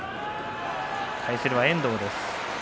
対するは遠藤です。